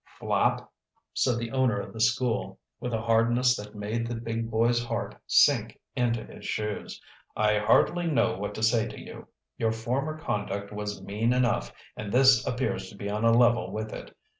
"Flapp," said the owner of the school, with a hardness that made the big boy's heart sink into his shoes. "I hardly know what to say to you. Your former conduct was mean enough, and this appears to be on a level with it.